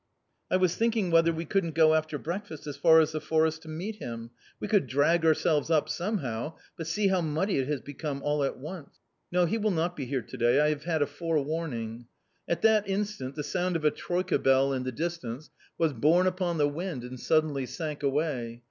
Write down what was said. " I was thinking whether we couldn't go after breakfast as far as the forest to meet him ; we could drag ourselves up somehow, but see how muddy it has become all at once !"" No, he will not be here to day ; I have had a fore warning !" At that instant the sound of a troika bell in the distance A COMMON STORY 241 was borne upon the wind and suddenly sank away.